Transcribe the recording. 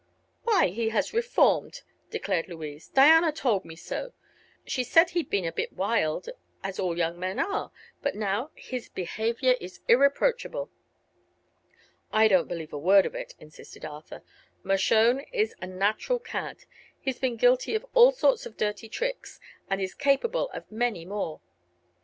"Why, he has reformed," declared Louise; "Diana told me so. She said he had been a bit wild, as all young men are; but now his behavior is irreproachable." "I don't believe a word of it," insisted Arthur. "Mershone is a natural cad; he's been guilty of all sorts of dirty tricks, and is capable of many more.